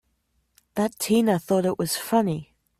That Tina thought it was funny!